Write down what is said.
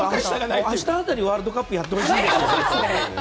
明日辺り、ワールドカップやってほしいよね。